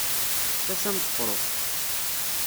Tasa n tefruxt.